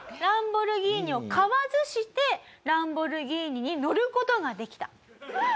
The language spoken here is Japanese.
ランボルギーニを買わずしてランボルギーニに乗る事ができた。